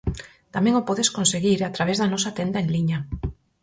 Tamén o podes conseguir a través da nosa tenda en liña.